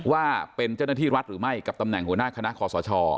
ว่าเป็นเจ้าหน้าที่รัฐหรือไม่กับตำแหน่งหัวหน้าคณะคอสช